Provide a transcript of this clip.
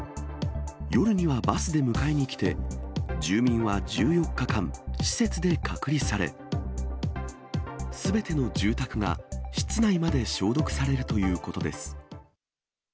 夜にはバスで迎えに来て、住民は１４日間、施設で隔離され、すべての住宅が室内まで消毒されるということです。